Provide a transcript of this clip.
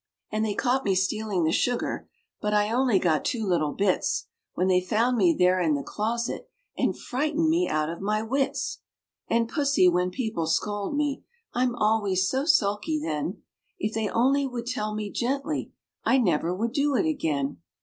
And they caught me stealing the sugar; But I only got two little bits, When they found me there in the closet, And frightened me out of my wits. And, Pussy, when people scold me, I'm always so sulky then; If they only would tell me gently, I never would do it again.